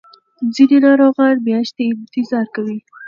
ځینې ناروغان میاشتې انتظار کوي.